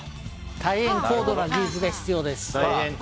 大変高度な技術が必要です。